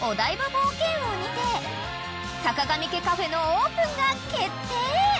冒険王にてさかがみ家カフェのオープンが決定］